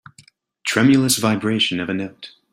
Tremulous vibration of a note.